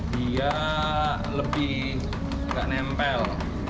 dia lebih nggak nempel